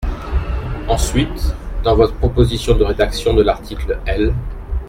Ensuite, dans votre proposition de rédaction de l’article L.